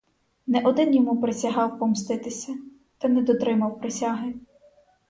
Не один йому присягав помститися, та не дотримав присяги.